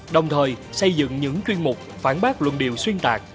đồng thời xây dựng những chuyên mục phản bác luận điều xuyên tạc